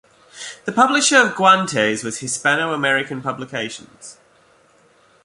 The publisher of "Guantes" was Hispano American Publications.